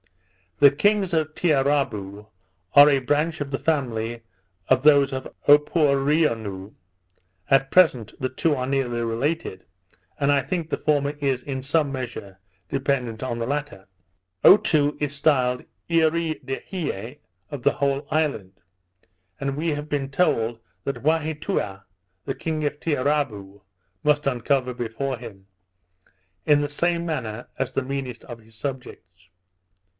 The kings of Tiarabou are a branch of the family of those of Opoureonu; at present, the two are nearly related; and, I think, the former is, in some measure, dependent on the latter. Otoo is styled Earee de hie of the whole island; and we have been told that Waheatoua, the king of Tiarabou, must uncover before him, in the same manner as the meanest of his subjects.